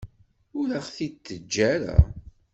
Ur aɣ-t-id-teǧǧa ara.